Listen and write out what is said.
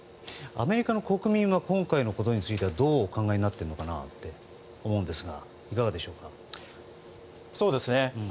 アメリカの国民は今回のことについてはどう考えているのかなと思うんですが、いかがでしょう？